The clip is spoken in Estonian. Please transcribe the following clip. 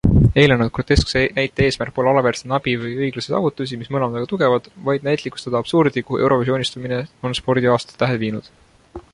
Eelnenud groteskse näite eesmärk pole alavääristada Nabi või Õiglase saavutusi, mis mõlemad väga tugevad, vaid näitlikustada absurdi, kuhu eurovisioonistumine on spordiaasta tähed viinud.